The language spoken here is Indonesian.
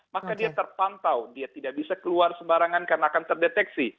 maka dia terpantau dia tidak bisa keluar sembarangan karena akan terdeteksi